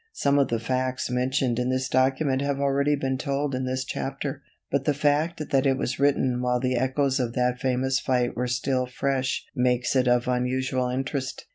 Some of the facts mentioned in this document have already been told in this chapter, but the fact that it was written while the echoes of that famous fight were still fresh makes it of unusual interest.